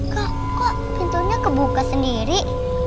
kak kok pintunya kebuka sendiri